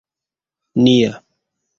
nia